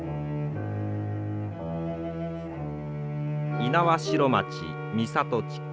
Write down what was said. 猪苗代町三郷地区。